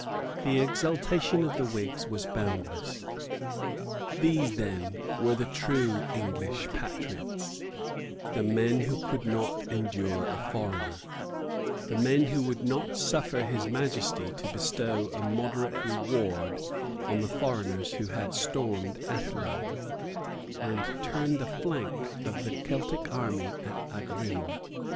The exultation of the Whigs was boundless. These then were the true English patriots, the men who could not endure a foreigner, the men who would not suffer His Majesty to bestow a moderate reward on the foreigners who had stormed Athlone, and turned the flank of the Celtic army at Aghrim.